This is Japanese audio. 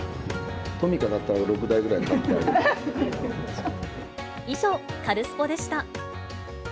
トミカだったら６台くらい買以上、カルスポっ！でした。